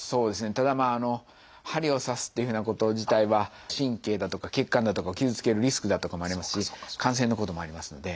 ただ針を刺すっていうふうなこと自体は神経だとか血管だとかを傷つけるリスクだとかもありますし感染のこともありますので